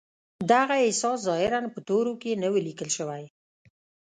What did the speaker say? دغه احساس ظاهراً په تورو کې نه و ليکل شوی.